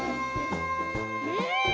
うん。